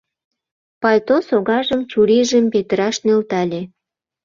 Пальто согажым чурийжым петыраш нӧлтале.